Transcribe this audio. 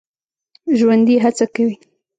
ژوندي هڅه کوي